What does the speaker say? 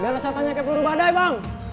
biar lo satunya kayak peluru badai bang